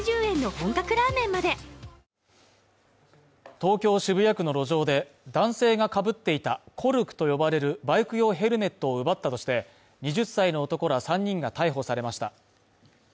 東京・渋谷区の路上で男性がかぶっていたコルクと呼ばれるバイク用ヘルメットを奪ったとして２０歳の男ら３人が逮捕されました。